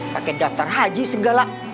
pakai daftar haji segala